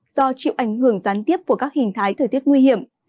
do chịu ảnh hưởng gián tiếp của các hình thái thời tiết nguy hiểm